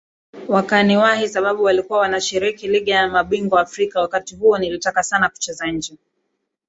wakaniwahi sababu walikuwa wanashiriki Ligi ya Mabingwa Afrika wakati huo nilitaka sana kucheza nje